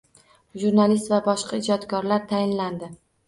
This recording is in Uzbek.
Jurnalist va boshqa ijodkorlar tayinlandi.